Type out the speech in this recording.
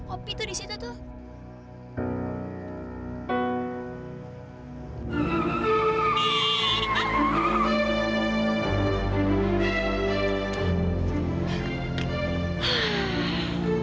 opi tuh disitu tuh